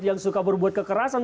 yang suka berbuat kekerasan